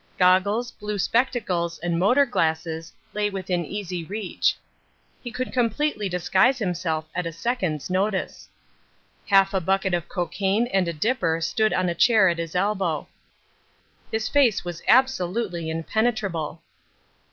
Goggles, blue spectacles and motor glasses lay within easy reach. He could completely disguise himself at a second's notice. Half a bucket of cocaine and a dipper stood on a chair at his elbow. His face was absolutely impenetrable.